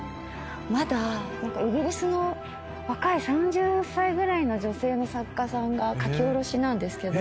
まだ何かイギリスの若い３０歳ぐらいの女性の作家さんの書き下ろしなんですけど。